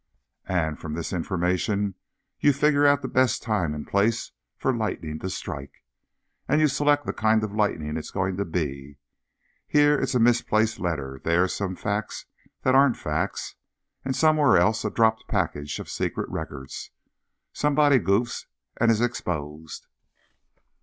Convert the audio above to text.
_ _And, from this information, you figure out the best time and place for lightning to strike, and you select the kind of lightning it's going to be. Here it's a misplaced letter, there some "facts" that aren't facts, and somewhere else a dropped package of secret records. Somebody goofs—and is exposed.